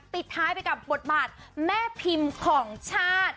ปิดท้ายไปกับบทบาทแม่พิมพ์ของชาติ